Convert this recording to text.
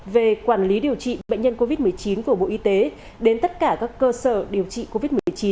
về quản lý điều trị bệnh nhân covid một mươi chín của bộ y tế đến tất cả các cơ sở điều trị covid một mươi chín